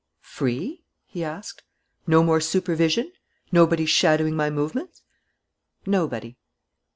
"Free?" he asked. "No more supervision? Nobody shadowing my movements?" "Nobody."